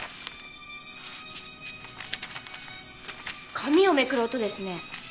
紙をめくる音ですね。